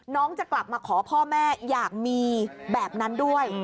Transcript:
จะกลับมาขอพ่อแม่อยากมีแบบนั้นด้วย